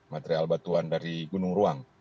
material batuan dari gunung ruang